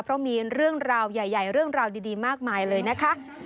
เพราะมีเรื่องราวใหญ่เรื่องราวดีมากมายเลยนะคะ